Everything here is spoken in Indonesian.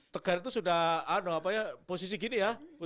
tegar itu sudah posisi gini ya